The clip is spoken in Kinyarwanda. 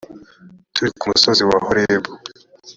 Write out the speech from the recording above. turi ku musozi wa horebu